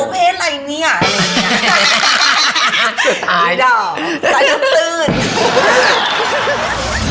แบบไม่เอาเห้